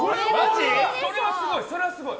それはすごい。